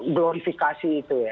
glorifikasi itu ya